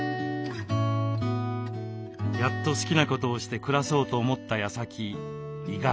やっと好きなことをして暮らそうと思ったやさき胃がんに。